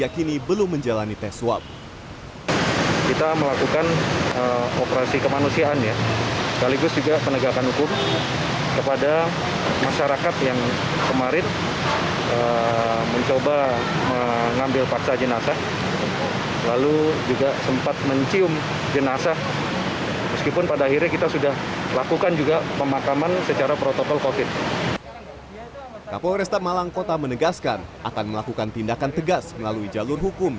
kapolresta malang kota menegaskan akan melakukan tindakan tegas melalui jalur hukum